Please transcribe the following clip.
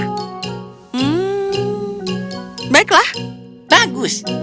hmm baiklah bagus